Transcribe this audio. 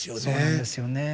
そうなんですよね。